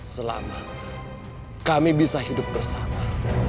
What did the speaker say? selama kami bisa hidup bersama